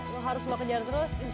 lo harus lo kejar terus